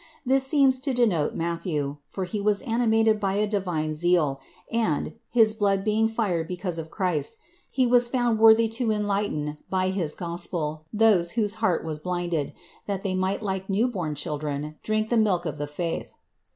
This seems to denote Matthew, for he was animated by a divine zeal, and, his blood being fired because of Christ, he was found worthy to enlighten by his Gospel those whose heart was blinded, that they might like new born children drink of the milk of the faith.